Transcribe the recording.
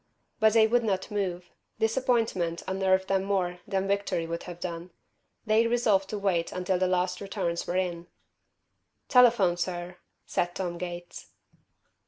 But they would not move. Disappointment unnerved them more than victory would have done. They resolved to wait until the last returns were in. "Telephone, sir," said Tom Gates.